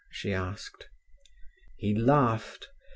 she asked. He laughed.